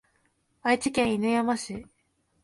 愛知県犬山市